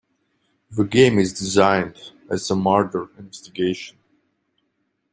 The game is designed as a murder investigation.